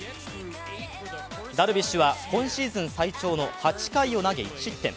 ダルビッシュは今シーズン最長の８回を投げ１失点。